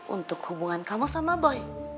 untuk hubungan kamu sama boy